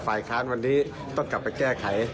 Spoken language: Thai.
ฝ่ายค้านวันนี้ต้องกลับไปแก้ไข